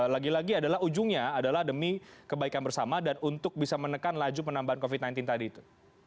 lagi lagi adalah ujungnya adalah demi kebaikan bersama dan untuk bisa menekan laju penambahan covid sembilan belas tadi itu